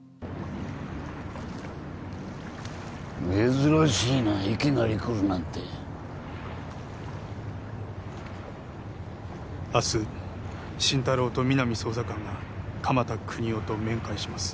珍しいないきなり来るなんて明日心太朗と皆実捜査官が鎌田國士と面会します